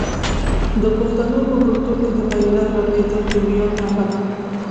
د پښتنو په کلتور کې د بیرغ رپیدل د ویاړ نښه ده.